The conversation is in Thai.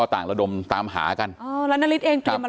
หายจริงหายจริงหายจริงหายจริงหายจริง